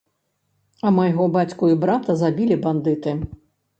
А майго бацьку і брата забілі бандыты.